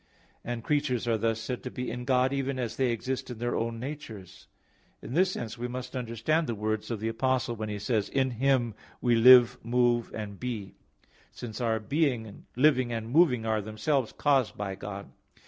And creatures are thus said to be in God, even as they exist in their own natures. In this sense we must understand the words of the Apostle when he says, "In Him we live, move, and be"; since our being, living, and moving are themselves caused by God.